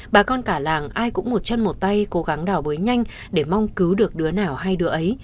bà con cả làng ai cũng một chân một tay cố gắng đào bới nhanh để mong cứu được đứa nào hay đứa ấy